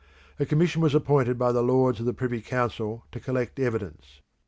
A commission was appointed by the Lords of the Privy Council to collect evidence.